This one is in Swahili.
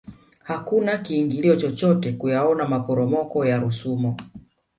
hakuna kiingilio chochote kuyaona maporomoko ya rusumo